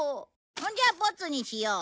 ほんじゃあボツにしよう。